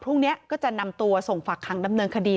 พรุ่งนี้ก็จะนำตัวส่งฝากคังดำเนินคดี